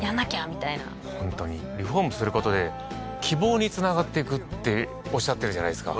みたいな本当にリフォームすることで希望につながっていくっておっしゃってるじゃないですか